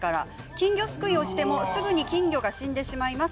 金魚すくいをしてもすぐに金魚が死んでしまいます